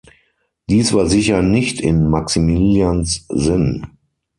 Dies war sicher nicht in Maximilians Sinn.